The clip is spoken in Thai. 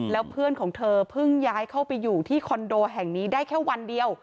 แล้วเพื่อนของเธอเพิ่งย้ายเข้าไปอยู่ที่คอนโดแห่งนี้ได้แค่วันเดียว